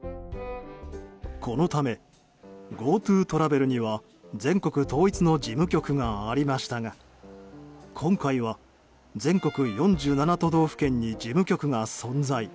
このためＧｏＴｏトラベルには全国統一の事務局がありましたが今回は、全国４７都道府県に事務局が存在。